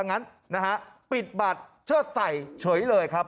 งั้นนะฮะปิดบัตรเชิดใส่เฉยเลยครับ